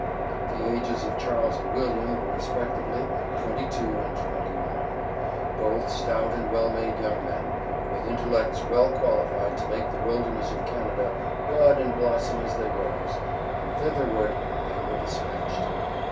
The ages of Charles and William were respectively twenty two and twenty one. Both stout and well made young men, with intellects well qualified to make the wilderness of Canada bud and blossom as the rose, and thitherward they were dispatched.